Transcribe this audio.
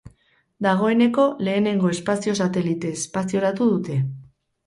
Dagoeneko lehenengo espazio-satelite espazioratu dute.